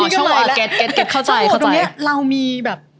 ช่องวัวเก็ตเข้าใจ